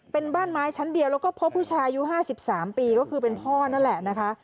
เป็นบ้านไม้ชั้นเดียวแล้วก็พบผู้ชายอายุ๕๓ปีก็คือเป็นพ่อนั่นแหละนะคะ